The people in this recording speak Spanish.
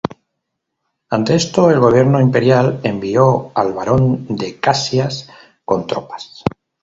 Ante esto el gobierno imperial envió al Barón de Caxias con tropas.